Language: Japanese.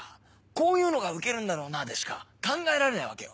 こういうのがウケるんだろうなでしか考えられないわけよ。